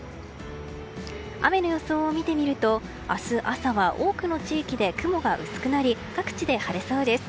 雨の予想を見てみると明日朝は多くの地域で雲が薄くなり各地で晴れそうです。